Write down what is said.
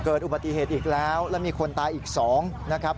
เกิดอุบัติเหตุอีกแล้วแล้วมีคนตายอีก๒นะครับ